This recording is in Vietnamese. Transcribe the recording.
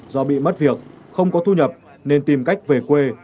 do bị mất việc không có thu nhập nên tìm cách về quê